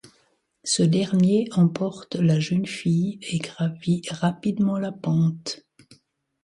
Ce dernier emporte la jeune fille et gravit rapidement la pente.